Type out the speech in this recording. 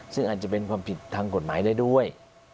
ซึ่งอาจจะเป็นความผิดทางกฎหมายได้ด้วย